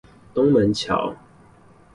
東門橋